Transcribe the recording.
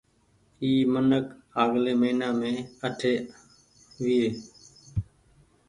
اي منک آگلي مهينآ مين اٺي ويئي۔